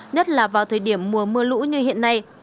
nhất là vào thời điểm mùa mưa lũ như hiện nay